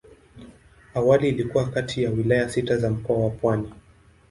Awali ilikuwa kati ya wilaya sita za Mkoa wa Pwani.